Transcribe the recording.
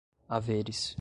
haveres